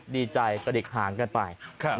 ดีใจก็เด็กทางกันไป